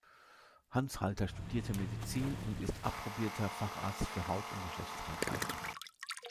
Hans Halter studierte Medizin und ist approbierter Facharzt für Haut- und Geschlechtskrankheiten.